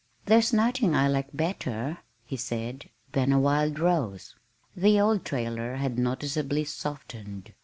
"There's nothing I like better," he said, "than a wild rose." The old trailer had noticeably softened.